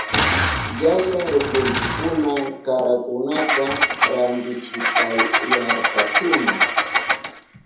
Yaya rukunchikuna karakunata rantichipayarkakuna.